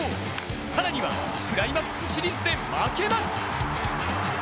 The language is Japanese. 更にはクライマックスシリーズで負けなし。